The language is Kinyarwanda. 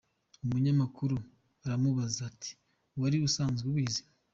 Umunyamukaru aramubaza ati wari usanzwe umuzi?.